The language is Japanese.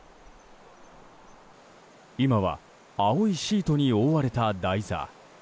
今は青いシートに覆われた台座。